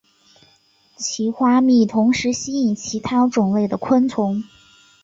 其花蜜同时吸引其他种类的昆虫。